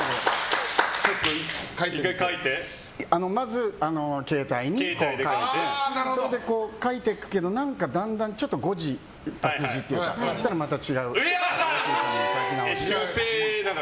まず、携帯に書いてそれで書いていくけど何かだんだんちょっと誤字に気づいたらまた違う紙に書いて。